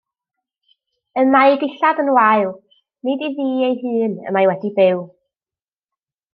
Y mae ei dillad yn wael, nid iddi ei hun y mae wedi byw.